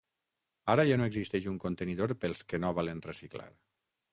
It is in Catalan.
Ara ja no existeix un contenidor pels que no volen reciclar.